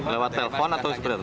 lewat telepon atau segera